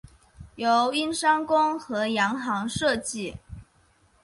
由英商公和洋行设计。